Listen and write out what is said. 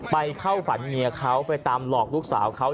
ไปเข้าฝันเมียเขาไปตามหลอกลูกสาวเขา